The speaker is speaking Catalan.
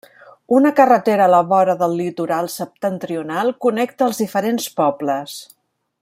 Una carretera a la vora del litoral septentrional connecta els diferents pobles.